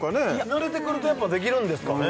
慣れてくるとやっぱできるんですかね？